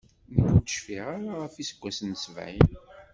Nekk ur d-cfiɣ ara ɣef yiseggasen n sebɛin.